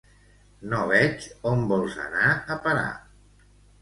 No veig on vols anar a parar.